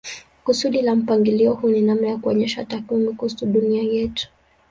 Kusudi la mpangilio huu ni namna ya kuonyesha takwimu kuhusu dunia yetu.